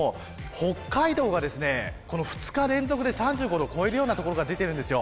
北海道は２日連続で３５度を超えるような所が出ています。